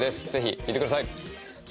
聴いてください。